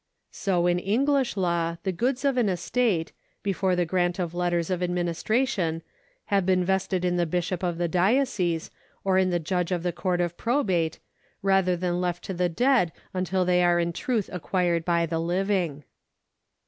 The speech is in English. ^ So in English law the goods of an intestate, before the grant of letters of administration, have been vested in the bishop of the diocese or in the judge of the Court of Probate, rather than left to the dead until they are in truth acquired by the living.